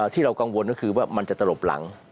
ที่เรากังวลก็คือว่ามันจะตลบหลัง